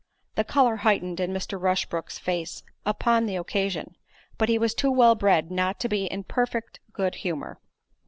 The colour heightened in Mr. Rushbrook's face upon the occasion, but he was too well bred not to be in perfect good humour.